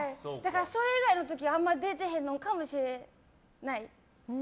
それ以外の時あまり出てへんのかもしれない。